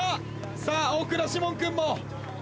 さあ大倉士門君も。